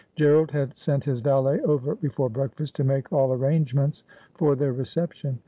Gerald had sent his valet over before breakfast to make all arrangements for their reception.